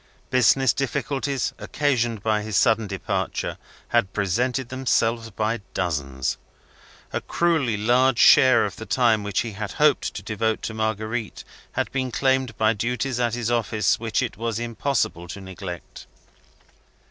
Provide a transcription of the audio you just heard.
Business difficulties, occasioned by his sudden departure, had presented themselves by dozens. A cruelly large share of the time which he had hoped to devote to Marguerite had been claimed by duties at his office which it was impossible to neglect.